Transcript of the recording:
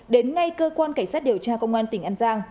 đến ngay cơ quan cảnh sát điều tra công an tỉnh an giang